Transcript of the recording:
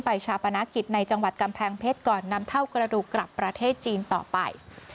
ชาปนกิจในจังหวัดกำแพงเพชรก่อนนำเท่ากระดูกกลับประเทศจีนต่อไป